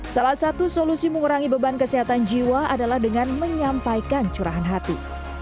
salah satu solusi mengurangi beban kesehatan jiwa adalah dengan menyampaikan curahan hati